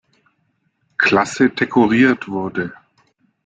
Klasse dekoriert wurde.